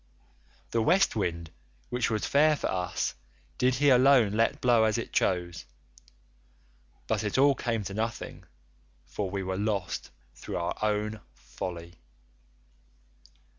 The West wind which was fair for us did he alone let blow as it chose; but it all came to nothing, for we were lost through our own folly.